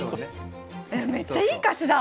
めっちゃいい歌詞だ！